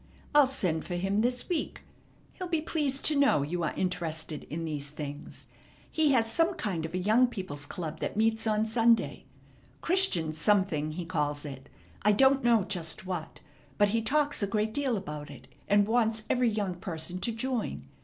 I'll send for him this week. He'll be pleased to know you are interested in these things. He has some kind of a young people's club that meets on Sunday. 'Christian Something' he calls it; I don't know just what, but he talks a great deal about it, and wants every young person to join.